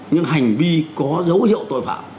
những hành vi có dấu hiệu tội phạm